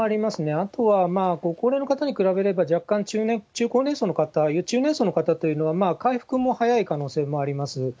あとはご高齢の方に比べれば、若干中高年層の方、中年層の方というのは、回復も早い可能性もあります。